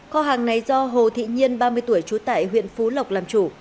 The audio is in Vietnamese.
kho hàng này do hồ thị nhiên ba mươi tuổi trú tại huyện phú lộc làm chủ